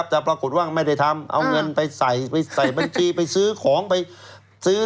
แต่ปรากฏว่าไม่ได้ทำเอาเงินไปใส่ไปใส่บัญชีไปซื้อของไปซื้อ